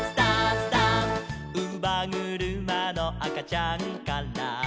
「うばぐるまの赤ちゃんから」